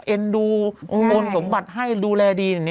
เอ็นดูโอนสมบัติให้ดูแลดี